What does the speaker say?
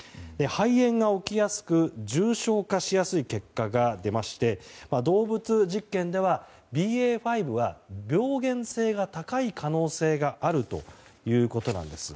肺炎が起きやすく重症化しやすい結果が出まして動物実験ではＢＡ．５は病原性が高い可能性があるということなんです。